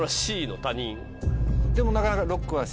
でもなかなか。